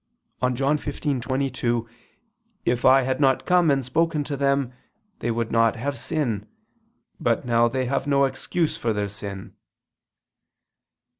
on John 15:22, "If I had not come and spoken to them, they would not have sin: but now they have no excuse for their sin."